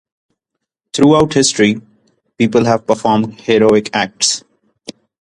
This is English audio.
Throughout history, people have performed heroic acts.